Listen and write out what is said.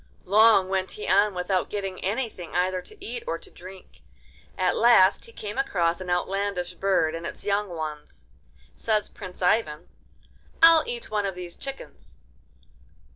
Long went he on without getting anything either to eat or to drink. At last he came across an outlandish bird and its young ones. Says Prince Ivan: 'I'll eat one of these chickens.